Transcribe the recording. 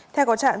theo có trạng